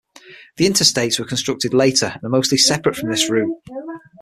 The Interstates were constructed later and are mostly separate from this route.